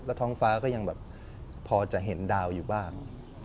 ท้องฟ้าก็ยังแบบพอจะเห็นดาวอยู่บ้าง